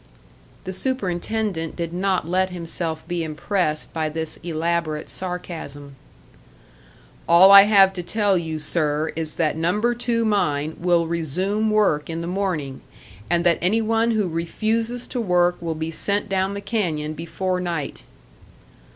The superintendent did not let himself be impressed by this elaborate sarcasm. "All I have to tell you, sir, is that Number Two mine will resume work in the morning, and that any one who refuses to work will be sent down the canyon before night."